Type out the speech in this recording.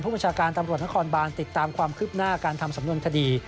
ประชาการตำรวจนครบานติดตามความคืบหน้าการทำสำนวนคดี